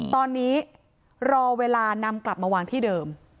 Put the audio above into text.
ตอนนี้รอเวลานำกลับมาวางที่เดิม